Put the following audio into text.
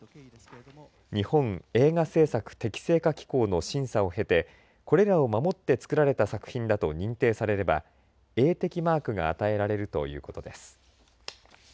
日本映画制作適正化機構の審査を経てこれらを守って作られた作品だと認定されれば映適マークが与えられるということです。